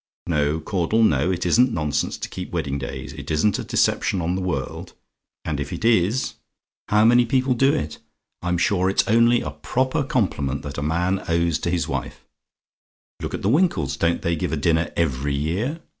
No, Caudle, no; it isn't nonsense to keep wedding days; it isn't a deception on the world; and if it is, how many people do it! I'm sure it's only a proper compliment that a man owes to his wife. Look at the Winkles don't they give a dinner every year?